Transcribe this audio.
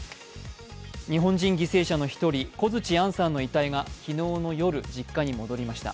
日本人犠牲者の一人、小槌杏さんの遺体が、昨日夜、実家に戻りました。